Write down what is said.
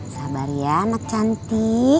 sabar ya anak cantik